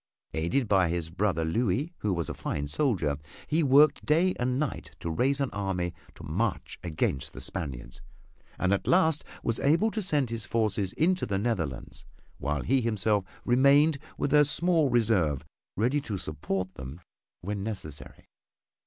Aided by his brother Louis, who was a fine soldier, he worked day and night to raise an army to march against the Spaniards, and at last was able to send his forces into the Netherlands, while he himself remained with a small reserve ready to support them when necessary.